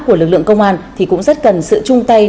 của lực lượng công an thì cũng rất cần sự chung tay